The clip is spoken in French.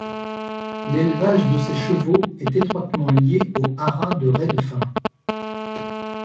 L'élevage de ces chevaux est étroitement lié au haras de Redefin.